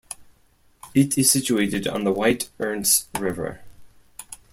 It is situated on the White Ernz river.